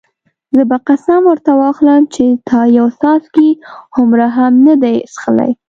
زه به قسم ورته واخلم چې تا یو څاڅکی هومره هم نه دی څښلی.